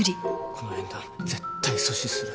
この縁談絶対阻止する。